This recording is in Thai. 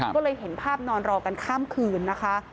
ก็เลยเห็นภาพนอนรอกันข้ามคืนนะคะ